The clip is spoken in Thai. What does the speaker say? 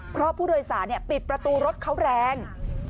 เพราะผู้โดยสารปิดประตูรถเขาแรง